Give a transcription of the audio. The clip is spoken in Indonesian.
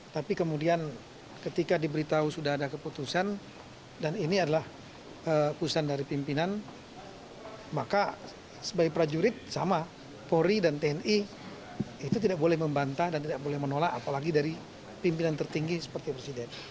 tapi kemudian ketika diberitahu sudah ada keputusan dan ini adalah keputusan dari pimpinan maka sebagai prajurit sama polri dan tni itu tidak boleh membantah dan tidak boleh menolak apalagi dari pimpinan tertinggi seperti presiden